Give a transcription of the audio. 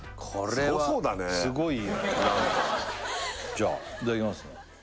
これはすごいよじゃあいただきますね